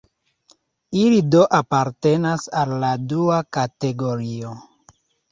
Ili do apartenas al la dua kategorio.